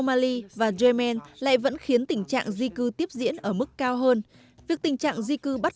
mali và yemen lại vẫn khiến tình trạng di cư tiếp diễn ở mức cao hơn việc tình trạng di cư bắt